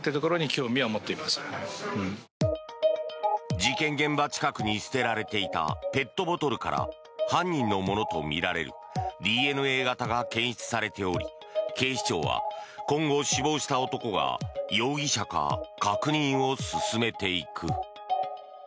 事件現場近くに捨てられていたペットボトルから犯人のものとみられるＤＮＡ型が検出されており警視庁は今後、死亡した男が容疑者か確認を進めていく。